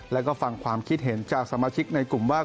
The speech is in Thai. แล้วก็ฟังความคิดเห็นจากสมาชิกในกลุ่มว่า